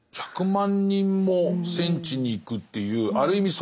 １００万人も戦地に行くっていうある意味